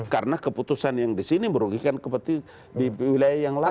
karena keputusan yang di sini merugikan keputusan di wilayah yang lain